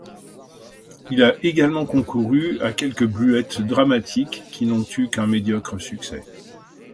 Il a également concouru à quelques bluettes dramatiques qui n’ont eu qu’un médiocre succès.